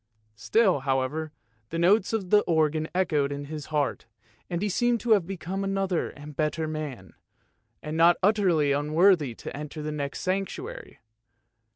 Still, however, the notes of the organ echoed in his heart, and he seemed to have become another and a better man, and not utterly unworthy to enter the next sanctuary.